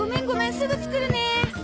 すぐ作るね！